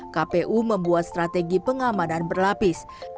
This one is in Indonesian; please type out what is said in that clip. kpu membuat strategi pengamanan berlapis